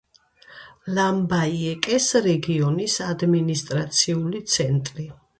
ლამბაიეკეს რეგიონის ადმინისტრაციული ცენტრი.